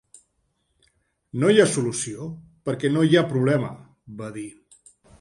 "No hi ha solució perquè no hi ha problema", va dir.